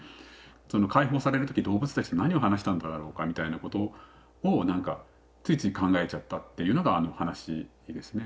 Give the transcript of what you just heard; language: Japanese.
その解放される時動物たちと何を話したんだろうかみたいなことを何かついつい考えちゃったっていうのがあのお話ですね。